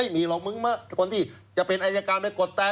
ไม่มีหรอกมึงเมื่อคนที่จะเป็นอัยการด้วยกฎแต่